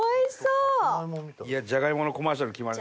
じゃがいものコマーシャル決まるな。